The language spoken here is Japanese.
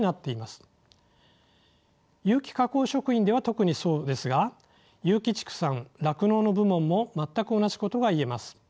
有機加工食品では特にそうですが有機畜産酪農の部門も全く同じことが言えます。